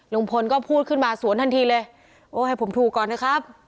ลุงพลก็พูดขึ้นมาสวนทันทีเลยโอ้ให้ผมถูกก่อนนะครับ